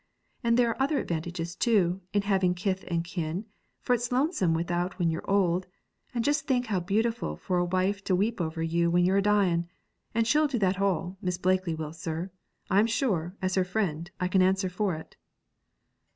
And there are other advantages, too, in having kith and kin, for it's lonesome without when you're old; and just think how beautiful for a wife to weep over you when you're a dying and she'll do all that, Miss Blakely will, sir; I'm sure, as her friend, I can answer for it.'